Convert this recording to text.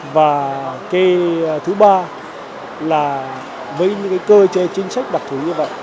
và cái thứ ba là với những cái cơ chế chính sách đặc thú như vậy